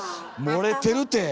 漏れてるて！